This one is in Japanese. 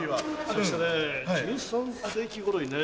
そして１３世紀ごろにね